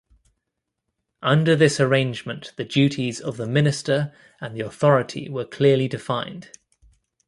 Under this arrangement the duties of the Minister and the Authority were clearly defined.